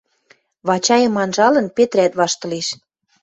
Вачайым анжалын, Петрӓт ваштылеш.